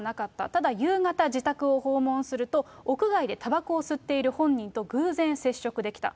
ただ夕方、自宅を訪問すると、屋外でたばこを吸っている本人と偶然接触できた。